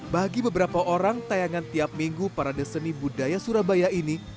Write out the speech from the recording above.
bagi beberapa orang tayangan tiap minggu parade seni budaya surabaya ini